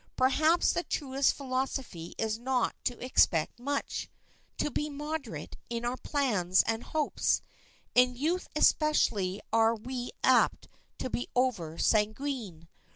Perhaps the truest philosophy is not to expect much, to be moderate in our plans and hopes. In youth especially are we apt to be over sanguine.